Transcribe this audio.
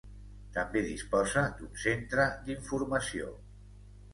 També disposa d'un centre d'informació.